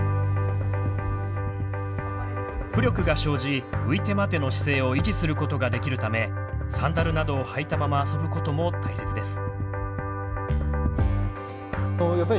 浮力が生じ浮いて待ての姿勢を維持することができるためサンダルなどを履いたまま遊ぶことも大切です。